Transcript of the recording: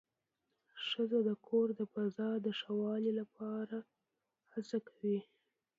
ښځه د کور د فضا د ښه والي لپاره هڅه کوي